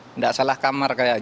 tidak salah kamar seperti ini